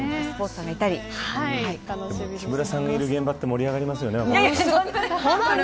木村さんがいる現場って盛り上がりますよね。